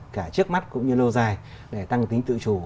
cả trước mắt cũng như lâu dài để tăng tính tự chủ